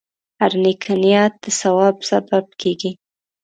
هره نیکه نیت د ثواب سبب کېږي.